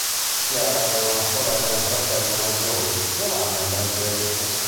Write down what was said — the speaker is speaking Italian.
Chiara aveva una sorella e un fratello maggiori, Giovanna e Francesco.